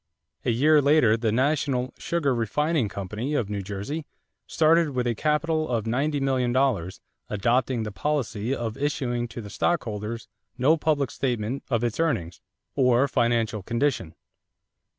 A year later the National Sugar Refining Company, of New Jersey, started with a capital of $90,000,000, adopting the policy of issuing to the stockholders no public statement of its earnings or financial condition.